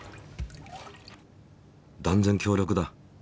断然強力だ。